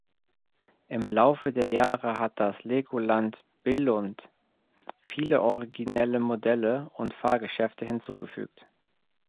Im Laufe der Jahre hat das Legoland Billund viele originelle Modelle und Fahrgeschäfte hinzugefügt.